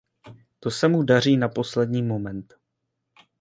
To se mu daří na poslední moment.